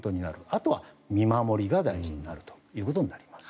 あとは見守りが大事になるということになります。